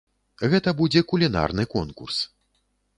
Гэта будзе кулінарны конкурс.